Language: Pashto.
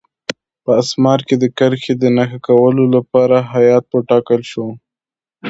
په اسمار کې د کرښې د نښه کولو لپاره هیات وټاکل شو.